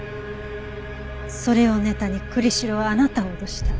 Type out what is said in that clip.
それをネタに栗城はあなたを脅した。